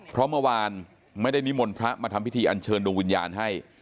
เพราะเมื่อวานไม่ได้นิมนต์พระมาทำพิธีอันเชิญดวงวิญญาณให้